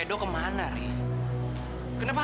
terima kasih pak